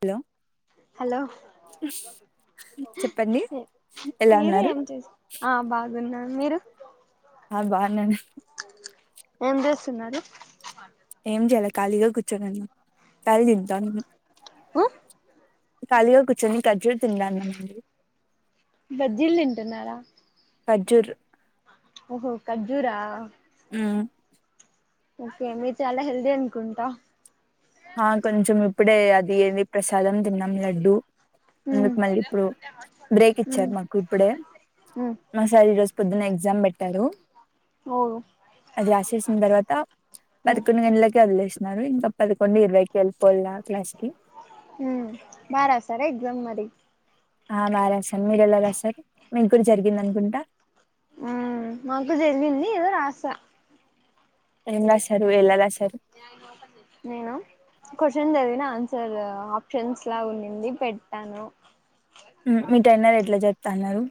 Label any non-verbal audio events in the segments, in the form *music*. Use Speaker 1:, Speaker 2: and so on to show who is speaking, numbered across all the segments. Speaker 1: Hello
Speaker 2: hello
Speaker 1: చెప్పండి ఎలా
Speaker 2: మీరు
Speaker 1: ఉన్నారు,
Speaker 2: ఏం చేస్ ఆ బాగున్న మీరు
Speaker 1: ఆ బాగున్నాను
Speaker 2: ఏం చేస్తున్నారు
Speaker 1: ఏం చేయాల ఖాళీగా కూర్చోనిన్ను తలి తింటానం, ఖాళీగా కూర్చొని ఖర్జూర తిన్న అన్న ముందు
Speaker 2: బజ్జీలు తింటున్నారా
Speaker 1: ఖ్జూర్
Speaker 2: ఓహో ఖజూరా
Speaker 1: ఉ
Speaker 2: ఓకే మీరు చాలా హెల్దీ అనుకుంటా
Speaker 1: ఆ కొంచెం ఇప్పుడే అది ఏది ప్రసాదం తిన్నాం లడ్డు
Speaker 2: ఉమ్
Speaker 1: అందుకు మళ్ళీ ఇప్పుడు బ్రేక్ ఇచ్చారు మాకు ఇప్పుడే
Speaker 2: ఉమ్
Speaker 1: మా సార్ ఈ రోజు పొద్దున్న ఎగ్జామ్ పెట్టాడు
Speaker 2: ఓ
Speaker 1: అది రాసేసిన తర్వాత
Speaker 2: ఉమ్
Speaker 1: పదకొండు గంటలకే వదిలేసినారు ఇంకా ప కొన్ని ఇర్వ కెల్పుల్ క్లాష్కి
Speaker 2: ఉ బాగా రాసర ఎగ్జామ్ మరి
Speaker 1: ఆ బాగా రాసాను మీరు ఎలా రాసారు మీకు కూడా జరిగింది అనుకుంటా,
Speaker 2: మాకు జరిగింది ఏదో రాసా
Speaker 1: ఎం రాసారు ఎలా రాసారు
Speaker 2: నేను క్వశ్చన్ చదిన ఆన్సర్ ఆప్షన్స్ లా ఉంనింది పెట్టాను
Speaker 1: మీ ట్రేనర్ ఎట్లా చెప్తాన్నారు,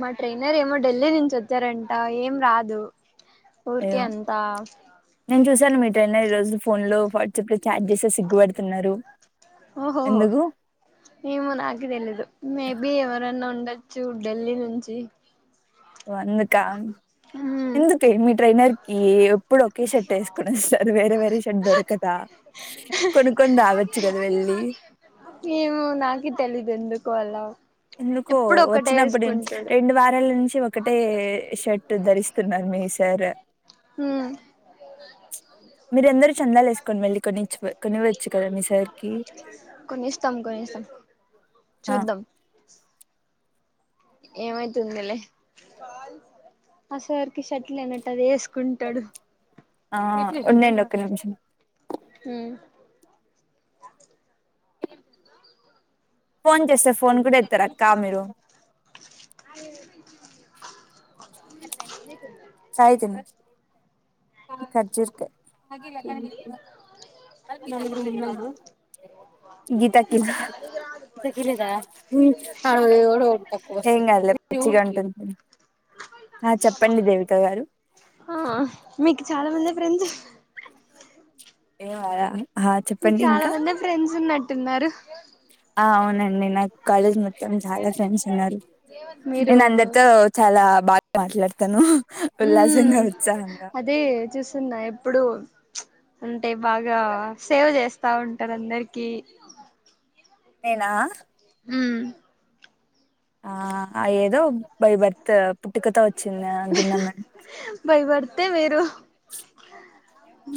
Speaker 2: మా ట్రైనర్ ఏమో ఢిల్లీ నుంచి వచ్చారంట ఏం రాదు ఊర్కే
Speaker 1: అయ్యో
Speaker 2: అంత
Speaker 1: నేను చూశాను మీరు ట్రైన్లో ఈ రోజు ఫోన్ లో వాట్సాప్ లో ఛార్జ్ చేసే సిగ్గుపడుతున్నారు,
Speaker 2: ఓహోహో
Speaker 1: ఎందుకు
Speaker 2: ఏమో నాకు తెలీదు మేబి ఎవరైన్నా ఉండొచ్చు ఢిల్లీ నుంచి
Speaker 1: అందుక
Speaker 2: హ్మ్
Speaker 1: ఎందుకే మీ ట్రేనర్ కి ఎప్పుడు ఒకే షర్ట్ వేసుకొని వస్తారు, వేరే వేరే షర్ట్ దొరకదా కొనుక్కొని రావచ్చు కదా వెళ్ళి
Speaker 2: ఏమో నాకి తెలిదు ఎందుకు అలా
Speaker 1: ఎందుకో
Speaker 2: ఎప్పుడు ఒకటే
Speaker 1: వచ్చినప్పుడు
Speaker 2: వేసుకుంటాడు
Speaker 1: రెండు వారాల నుంచి ఒకటే షర్ట్ ధరిస్తున్నారు మీ సార్
Speaker 2: ఉ
Speaker 1: మీర అందరు చందాలు వేసుకోని వెళ్ళి కొన్ని కోనియచ్చు కదా మీ సార్కి
Speaker 2: కొనిస్తాం కొనిస్తాం చూద్దాం ఏమైతుందిలే ఆ సార్ కి షట్లు లేనట్టు అది వేసుకుంటాడు,
Speaker 1: ఆ ఉండండి ఒక్క నిమిషం
Speaker 2: హు
Speaker 1: ఫోన్ చేస్తే ఫోన్ కూడా ఎత్తరు అక్క మీరు
Speaker 2: అయ్యి
Speaker 1: కాయ్ తిను ఖర్జూరు కాయ్
Speaker 2: *inaudible*
Speaker 1: గీత కి గీత కి ఈలేదా ఉ *unintelligible* ఏం కాదులే మచ్చిగా అంటుంది ఆ చెప్పండి దేవికా గారు
Speaker 2: ఆ మీకు చాలా మంది ఫ్రెండ్స్
Speaker 1: *unintelligible*
Speaker 2: మీకు
Speaker 1: చెప్పండి
Speaker 2: చాలా
Speaker 1: ఇంకా
Speaker 2: మందే ఫ్రెండ్స్ ఉన్నట్టున్నారు
Speaker 1: ఆ అవునండి నాకు కాలేజ్ మొత్తం చాలా ఫ్రెండ్స్ ఉన్నారు
Speaker 2: మీరు
Speaker 1: నేను అందరితో చాలా బాగా మాట్లాడతాను
Speaker 2: హ్మ్
Speaker 1: ఉల్లాసంగా ఉత్సాహంగా
Speaker 2: అదే చూస్తున్నా ఎప్పుడు అంటే బాగా సేవ్ చేస్తా ఉంటారు అందరికి
Speaker 1: నేనా
Speaker 2: ఉ
Speaker 1: ఆ ఏదో బై బర్త్ పుట్టుకతో వచ్చిందా గున్నమ
Speaker 2: బై బర్తే మీరు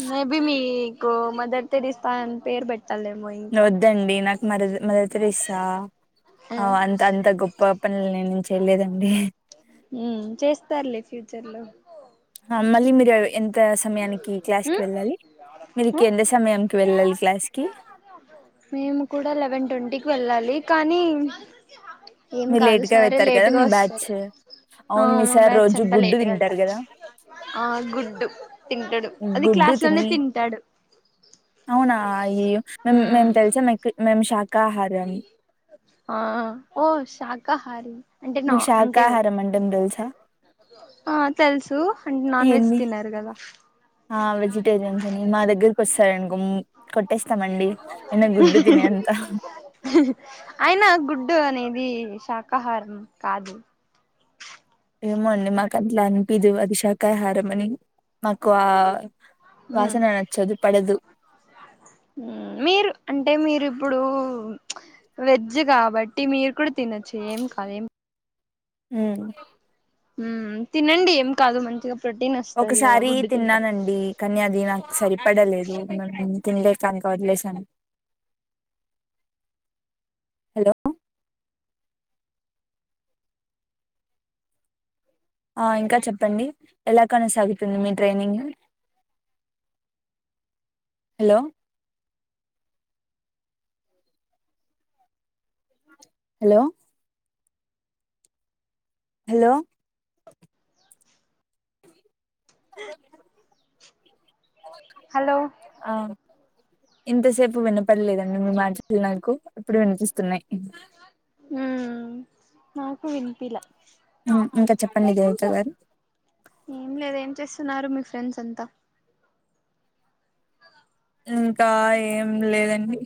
Speaker 2: మేబి మీ గో మదర్ థెరీసా అని పేరు పె తలే మయి
Speaker 1: న వద్దండి నాకు మర మదర్ థెరీసా ఆ అంత అంత గొప్ప నేను నుంచి వెళ్లేదండి
Speaker 2: ఉ చేస్తారులే ఫ్యూచర్ లో
Speaker 1: మమ్మల్ని మీరి ఎన్ త సమయానికి క్లాస్ కి వెళ్ళాలి మీరి
Speaker 2: ఉమ్
Speaker 1: కింద సమయాకి వెళ్ళాలి క్లాస్ కి
Speaker 2: మేము కూడా లెవెన్ ట్వంటీకి వెళ్ళాలి కానీ ఏం
Speaker 1: మీరు
Speaker 2: కాదు
Speaker 1: లేట్ గా
Speaker 2: సారే
Speaker 1: వెళ్తారు కదా
Speaker 2: లేటుగా
Speaker 1: మీ బ్యాచ్
Speaker 2: వస్తారు
Speaker 1: అవును మీ సార్
Speaker 2: బ్యాచ్
Speaker 1: రోజు
Speaker 2: అంతా
Speaker 1: గుడ్డు
Speaker 2: లేటుగా
Speaker 1: తింటారు
Speaker 2: వెళ్తాం
Speaker 1: కదా
Speaker 2: ఆ గుడ్డు తింటడు అది
Speaker 1: గుడ్డు
Speaker 2: క్లాస్ లోనే
Speaker 1: తిని
Speaker 2: తింటాడు
Speaker 1: అవునా అయ్య మే
Speaker 2: ఉమ్
Speaker 1: మేము తెలుసా మీకు మేము శాకాహారం
Speaker 2: ఆ ఓ శాకాహారీ
Speaker 1: మీ శాకాహార మండం తెలుసా
Speaker 2: ఆ తెలుసు అంటే నాన్ వెజ్
Speaker 1: ఏంది
Speaker 2: తినరు కదా
Speaker 1: ఆ వెజిటేరియన్స్ అని మా దగ్గరకి వస్తారనుకో ము కొట్టేస్తామండి ఎన్న గుడ్డు తినేంత
Speaker 2: అయినా గుడ్డు అనేది శాకాహారం కాదు
Speaker 1: ఏమో అండి మాకు అట్లా అనిపిదు అది శాకాహారం అని మాకు ఆ
Speaker 2: ఉమ్
Speaker 1: వాసన నచ్చదు పడదు
Speaker 2: మీరు అంటే మీరిప్పుడు వెజ్ కాబ టి మీరు కూడా తినొచ్చు ఏం కాదు ఏం
Speaker 1: ఉ
Speaker 2: మ్ తినండి ఏం కాదు మంచిగా ప్రోటీన్ వస్తది కదా
Speaker 1: ఒకసారి
Speaker 2: గుడ్డు తింటే
Speaker 1: తిన్నానండి కానీ అది నాకు సరిపడలేదు మ తినలేక ఇంక వదిలేసాను హలో ఆ ఇంకా చెప్పండి ఎలా కొనసాగుతుంది మీ ట్రైనింగ్ హలో ఆ హలో హలో
Speaker 2: హలో
Speaker 1: అ ఇంతసేపు వినపడలేదండి మీ మాటలు నాకు ఇప్పుడు వినిపిస్తున్నాయి.
Speaker 2: ఉ నాకు వినిపియిలా
Speaker 1: ఉ ఇంకా చెప్పండి దేవత గారు
Speaker 2: ఏం లేదు ఏం చేస్తున్నారు మీ ఫ్రెండ్స్ అంత
Speaker 1: ఇంకా ఏం లేదండి.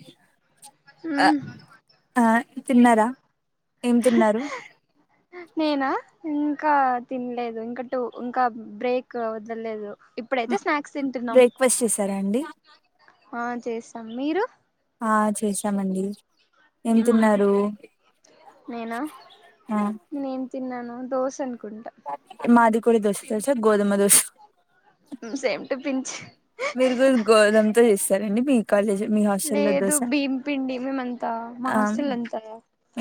Speaker 1: ఆ
Speaker 2: ఉ
Speaker 1: ఆ తిన్నారా ఏం తిన్నారు
Speaker 2: నేనా ఇంకా తినలేదు ఇంక టు ఇంకా బ్రేక్ అవుతలేదు ఇప్పుడైతే స్నాక్ తింటున్నాం
Speaker 1: బ్రేక్ఫాస్ట్ చేసారా అండి
Speaker 2: ఆ చేస్తాం మీరు
Speaker 1: ఆ చేసామండి ఏం
Speaker 2: ఉ
Speaker 1: తిన్నారు
Speaker 2: నేనా
Speaker 1: ఆ
Speaker 2: నేన్ తిన్నను దోశ అనుకుంటా
Speaker 1: మాదికూడ దోశ దోశ గోదుమ దోశ
Speaker 2: సేమ్ టు పించ్
Speaker 1: మీరు గురు గోదమతో జేస్తారండి మీకు క నిజ మీ హా
Speaker 2: లేదు భీమ్ పిండి మేమంతా మహాస్టల్ అంతా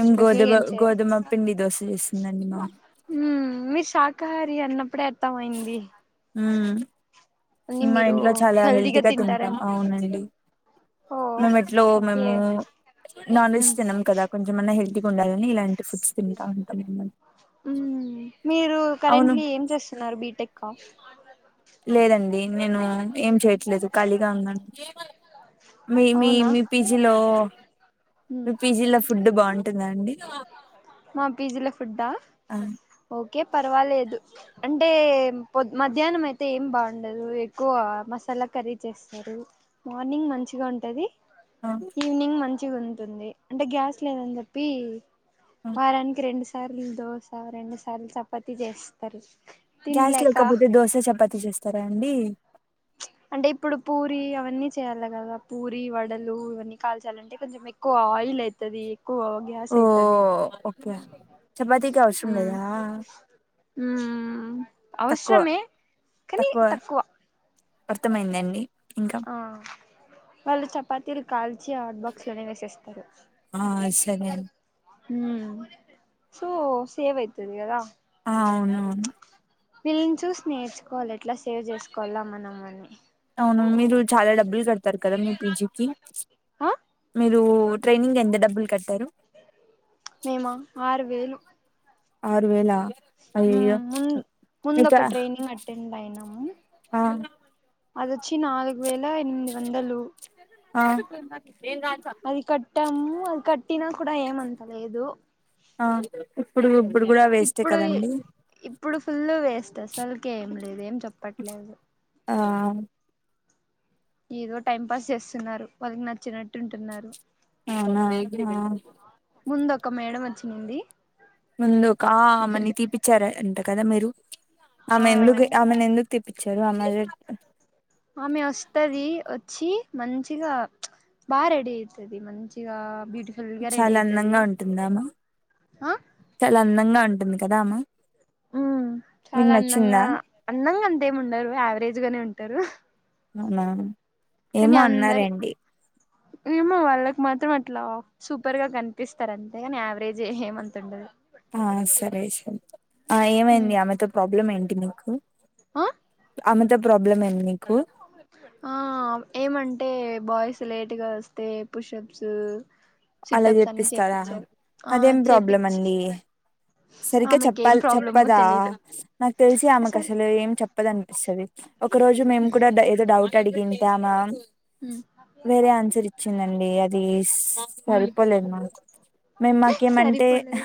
Speaker 1: ఇం
Speaker 2: స్పెషల్గా
Speaker 1: గోధుమ
Speaker 2: ఏం చేయరు
Speaker 1: గోధుమ పిండి దోశ చేసిందండి మామ్
Speaker 2: ఉ మీరు శాకాహారి అన్నప్పుడే అర్థమయింది.
Speaker 1: ఉమ్
Speaker 2: అన్ని
Speaker 1: మా
Speaker 2: మీరు
Speaker 1: ఇంట్లో చాలా
Speaker 2: హెల్దీగా
Speaker 1: హెల్తీగా తింటాం
Speaker 2: తింటారని
Speaker 1: అవునండి.
Speaker 2: ఓ
Speaker 1: మేమిట్లో
Speaker 2: ఓకే
Speaker 1: మేము నాన్ వెజ్
Speaker 2: మ్మ్
Speaker 1: తినం కదా కొంచ కొంచమన్నా హెల్తీగా ఉండాలని ఇలాంటి ఫుడ్స్ తింటా ఉంటాం
Speaker 2: ఉ మీరు
Speaker 1: అవును
Speaker 2: కరెంట్లీ ఏం చేస్తున్నారు బీటెక్ అ
Speaker 1: లేదండి నేను ఏం చేయట్లేదు ఖాళీగా ఉన్నాను. మీ మీ
Speaker 2: అవునా
Speaker 1: మీ పిజీలో
Speaker 2: మ్మ్
Speaker 1: మీ పిజీలో ఫుడ్ బాగుంటుంద అండి
Speaker 2: మా పిజిల ఫుడ్డా
Speaker 1: ఆ
Speaker 2: ఓకే పర్వాలేదు అంటే పొద్ మధ్యాహ్నం అయితే ఏం బాగుండదు ఎక్కువ మసాలా కర్రీ చేస్త స్తారు మార్నింగ్ మంచిగా ఉంటది
Speaker 1: ఆ
Speaker 2: ఈవినింగ్ మంచిగుంటుంది అంటే గ్యాస్ లేదని చెప్పి ఇ
Speaker 1: ఆ
Speaker 2: వారానికి రెండు సార్లు దోశ, రెండు సార్లు చపాతి చేస్తారు.
Speaker 1: గ్యాస్
Speaker 2: తినలేక
Speaker 1: లేకపోతే దోశ, చపాతీ చేస్తారా అండి.
Speaker 2: అంటే ఇప్పుడు పూరి అవన్నీ చేయాలి కదా పూరి, వడలు ఇవన్నీ కాల్చాలంటే కొంచెం ఎ ఎక్కువ ఆయిల్ అయితది ఎక్కువ గ్యాస్
Speaker 1: ఓ
Speaker 2: అయితది
Speaker 1: ఒకే చపాతీకి అవసరం లేదా
Speaker 2: ఉ
Speaker 1: తక్కువ
Speaker 2: అవసరమే కానీ తక్కువ
Speaker 1: అర్థమైందండి ఇంగ్
Speaker 2: ఆ వాళ్ళు చపాతీలు కాల్చి హాట్ బాక్స్ లోనే వేసేస్తారు.
Speaker 1: ఆ సరే అ *inaudible*
Speaker 2: ఊ సో సేవ్ అయితది కదా
Speaker 1: ఆ అవునవును
Speaker 2: వీళ్ళని చూసి నేర్చుకోవాలి ఎట్లా సేవ్ చేసుకోవాల మనం మనీ
Speaker 1: అవును మీరు చాలా డబ్బులు గడతారు కదా మీర్ పిజికి
Speaker 2: ఆ
Speaker 1: మీరు ట్రైనింగ్ ఎంత డబ్బులు కట్టారు
Speaker 2: మేమా ఆరు వేలు
Speaker 1: ఆరు వేల
Speaker 2: ఉమ్
Speaker 1: అయ్యయ్యో
Speaker 2: ముందు ముందు
Speaker 1: ఇక
Speaker 2: ఒక ట్రైనింగ్ అటెండ్ అయినాము
Speaker 1: ఆ
Speaker 2: అదొచ్చి నాలుగు వేల ఎనిమిది వందలు
Speaker 1: ఆ
Speaker 2: అది కట్టామ్ అది కట్టినా కూడా ఏం అంతలేదు
Speaker 1: ఆ ఇప్పుడు ఇప్పుడు కూడా వేస్టే
Speaker 2: ఇప్పుడు
Speaker 1: కదండి
Speaker 2: ఇప్పుడు ఫుల్ వేస్ట్ అసలుకి ఏం లేదు ఏం చెప్పట్లేదు
Speaker 1: ఆ
Speaker 2: ఏదో టైం పాస్ చేస్తున్నారు వాళ్ళకి నచ్చినట్టు ఉంటున్నారు
Speaker 1: ఆవునా ఆ
Speaker 2: ముందు ఒక మేడం వచ్చి నింది
Speaker 1: ముందు ఒక ఆమెని తీపిచ్చారు అంట కదా మీరు
Speaker 2: ఆ
Speaker 1: ఆమె ఎందుకు ఆమెను ఎందుకు తీప్పిచారు అన్న జె
Speaker 2: ఆమె వస్తది వచ్చి మంచిగా బాగా రెడి అయితది మంచిగా బ్యూటిఫు
Speaker 1: చాలా అందంగా ఉంటుందా ఆమె
Speaker 2: ఆ
Speaker 1: చాలా అందంగా ఉంటుంది కదా ఆమె
Speaker 2: చాలా అందంగా అందంగా అంతే ఏమి ఉండరు యావరేజ్ గానే ఉంటరు.
Speaker 1: ఆ ఏమో
Speaker 2: అందరి
Speaker 1: అన్నారండి
Speaker 2: ఏమో వాళ్ళకి మాత్రం అట్లా సూపర్ గా కనిపిస్తారు అంతేగాని యావరేజ్ ఏమంతా ఉండదు
Speaker 1: ఆ సరే సరే ఆ ఏమైంది ఆమెతో ప్రాబ్లం ఏంటి మీకు
Speaker 2: అ
Speaker 1: ఆమెతో ప్రాబ్లం ఏంది నీకు
Speaker 2: మా అమ్మ ఎప్పుడు పె ఆ ఏమంటే బాయ్స్ లేట్ గా వస్తే పుషప్స్
Speaker 1: అలా
Speaker 2: సిటప్స్ అన్ని
Speaker 1: చెప్పిస్తారా
Speaker 2: చేపిచ్చారు ఆ
Speaker 1: అదేం ప్రాబ్లమ్
Speaker 2: చేపిచ్చి
Speaker 1: అండి సరిగా
Speaker 2: ఆమెకి ఏం
Speaker 1: చెప్పాల్
Speaker 2: ప్రాబ్లమో
Speaker 1: చెప్పదా
Speaker 2: తెలీదు
Speaker 1: నాకు తెలిసి ఆమెకు అసలు ఏం చెప్పదని పిస్తది ఒక రోజు మేము కూడా ద ఏదో డౌట్ అడిగింతామా
Speaker 2: ఉమ్
Speaker 1: వేరే ఆన్సర్ ఇచ్చిందండి అది
Speaker 2: ఉమ్
Speaker 1: సరిపోలేదు మాకు మేము మాకేమంటే
Speaker 2: సరిపోలేదు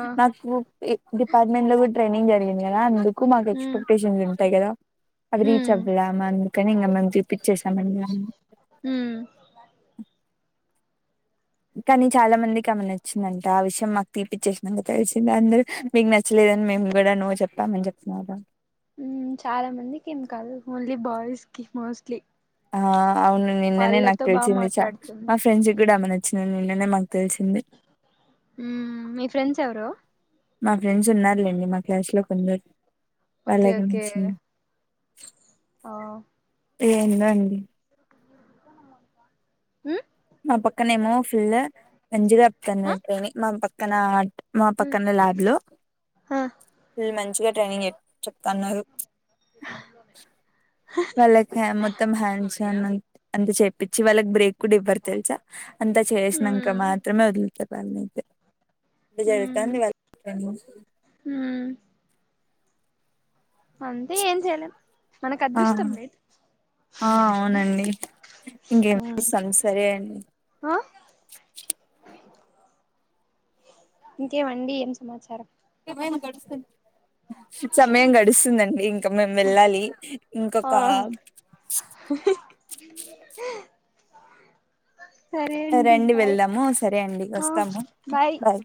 Speaker 2: ఆ
Speaker 1: మా ఉప్ ఏ డిపార్ట్మెంట్ లో గూడా ట్రైనింగ్ జరిగింది గదా అందు ఎక్కువ మార్క్
Speaker 2: ఉమ్
Speaker 1: ఎక్స్పెక్టేషన్స్ ఉంటాయి కదా అది రీచ్
Speaker 2: ఉమ్
Speaker 1: అవ్వలే అందుకని ఇంకా మంచిగా పిక్ చేశామండి మనం
Speaker 2: ఉమ్
Speaker 1: కానీ చాలా మంది కమనచ్ చ్చిందంట ఆ విషయం మాకు తీపిచ్చేసినక తెలిసింది అందరూ మీకు నచ్చలేదని మేము గూడ నో చెప్పామని జెప్ప నాద
Speaker 2: ఉమ్ చాలా మందికి ఏం కాదు ఓన్లీ బాయ్స్ కి మోస్ట్లీ
Speaker 1: ఆ అవును నిన్ననే నాకు
Speaker 2: వాళ్ళతో బాగా
Speaker 1: తెలిసింది చ
Speaker 2: మాట్లాడుతుంది
Speaker 1: మా ఫ్రెండ్స్ గూడా ఆమె నచ్చిందని నిన్ననే మాకు తెలిసింది
Speaker 2: ఉమ్ మీ ఫ్రెండ్స్ ఎవరు
Speaker 1: మా ఫ్రెండ్స్ ఉన్నారులేండి మా క్లాస్ లో కొందరు
Speaker 2: ఓకే
Speaker 1: వాళ్ళకి
Speaker 2: ఓకే
Speaker 1: నచ్చింది
Speaker 2: ఆ
Speaker 1: ఏందో అండి
Speaker 2: హ్
Speaker 1: మా పక్కనేమో ఫుల్ మంచిగా
Speaker 2: ఆ
Speaker 1: చెప్తున్నారు ట్రైని మా పక్కనా మా
Speaker 2: ఉమ్
Speaker 1: పక్కన ల్యాబ్లో
Speaker 2: ఆ
Speaker 1: ఫుల్లు మంచిగా ట్రైనింగ్ చెప్ చెప్తన్నారు. వాళ్ళకి హ మొత్తం హ్యాండ్స్ ఆన్ అంత అంత చేపిచ్చి వాళ్ళకు బ్రేక్ కూడా ఇవ్వరు తెలుసా. అంతా
Speaker 2: ఉమ్
Speaker 1: చేసినంకా మాత్రమే వదులుతరు వాళ్ళనైతే. జరుగుతాంది వా *inaudible* ట్రైనింగ్.
Speaker 2: హ్ అంతే ఏంచేయలేం.
Speaker 1: ఆ ఆ అవునండి ఇంకేం
Speaker 2: ఉమ్
Speaker 1: చేస్తాం సరే అండి.
Speaker 2: ఆ ఇంకేమండి, ఏం సమాచారం.
Speaker 1: సమయం గడుస్తుందండి. ఇంకా మేం వెళ్ళాలి ఇంకొకా
Speaker 2: ఆ సరే
Speaker 1: ఆ
Speaker 2: అండి
Speaker 1: రండి
Speaker 2: బాయ్
Speaker 1: వెళ్దాము, సరే అండి
Speaker 2: ఆ
Speaker 1: వస్తాము బాయ్.